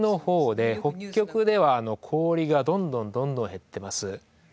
北極では氷がどんどんどんどん減ってます。